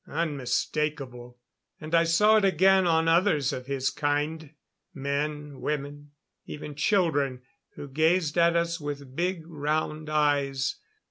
Unmistakable. And I saw it again on others of his kind men, women, even children who gazed at us with big, round eyes.